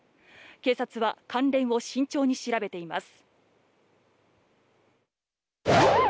警察は関連を慎重に調べています。